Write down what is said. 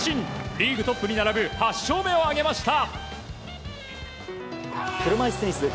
リーグトップに並ぶ８勝目を挙げました。